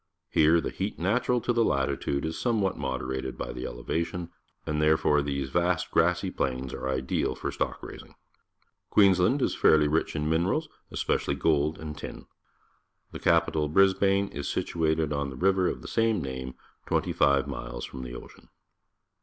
Here the heat natural to the latitude is somewhat moderated by the elevation, and therefore these vast grassy plains are ideal for stock raising. Queensland is fairly rich in minerals, especially gold_and tin. The cap ital, Brisba ne, is situated on the river of the same name, twenty five miles from the ocean.